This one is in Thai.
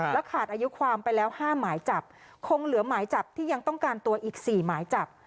ขาดอายุความไปแล้ว๕หมายจับคงเหลือหมายจับที่ยังต้องการตัวอีก๔หมายจับ